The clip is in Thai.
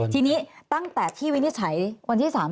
ทีนี้ตั้งแต่ที่วินิจฉัยวันที่๓